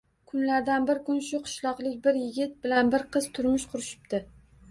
Kunlardan bir kun shu qishloqlik bir yigit bilan bir qiz turmush qurishibdi